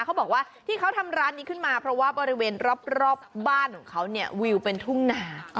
เขาบอกว่าที่เขาทำร้านนี้ขึ้นมาเพราะว่าบริเวณรอบบ้านของเขาเนี่ยวิวเป็นทุ่งนา